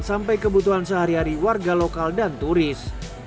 sampai kebutuhan sehari hari warga lokal dan turis